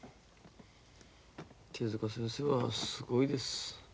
手先生はすごいです。